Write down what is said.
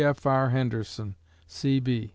G. F. R. HENDERSON, C.B.